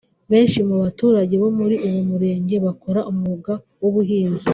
Benshi mu baturage bo muri uwo Murenge bakora umwuga w’ubuhinzi